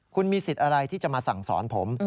คุณมีสิทธิ์อะไรที่จะมาสั่งสอนผม